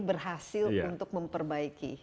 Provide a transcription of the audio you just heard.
berhasil untuk memperbaiki